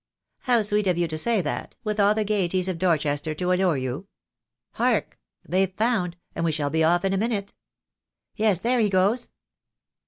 "How sweet of you to say that — with all the gaieties of Dorchester to allure you! Hark! they've found, and we shall be off in a minute. Yes, there he goes